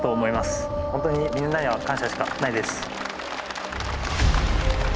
ホントにみんなには感謝しかないです。